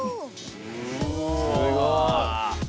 すごい。